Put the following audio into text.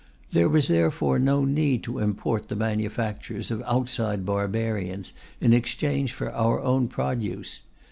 There was therefore no need to import the manufactures of outside barbarians in exchange for our own produce.